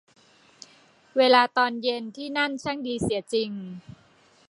เวลาตอนเย็นที่นั่นช่างดีเสียจริง